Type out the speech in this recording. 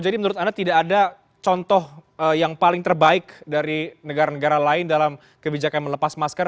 jadi menurut anda tidak ada contoh yang paling terbaik dari negara negara lain dalam kebijakan melepas masker